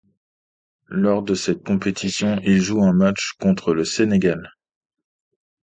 Lors de cette compétition, il joue un match contre le Sénégal.